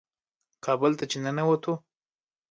کابل ته چې ننوتو.